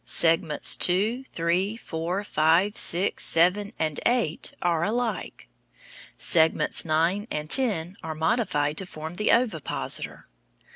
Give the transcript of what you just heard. Segments two, three, four, five, six, seven, and eight are alike. Segments nine and ten are modified to form the ovipositor.